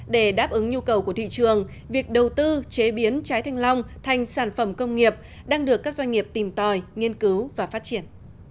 để đáp ứng nhu cầu của thị trường việc đầu tư chế biến trái thanh long thành sản phẩm công nghiệp đang được các doanh nghiệp tìm tòi nghiên cứu và phát triển